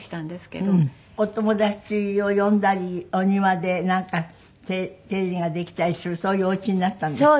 お友達を呼んだりお庭でなんか手入れができたりするそういうお家になったんですって？